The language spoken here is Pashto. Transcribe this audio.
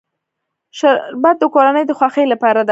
شربت د کورنۍ د خوښۍ برخه ده